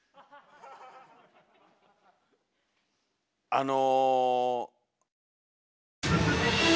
あの。